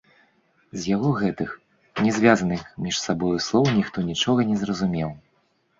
З яго гэтых, не звязаных між сабою, слоў ніхто нічога не зразумеў.